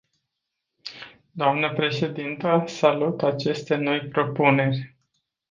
Doamnă președintă, salut aceste noi propuneri.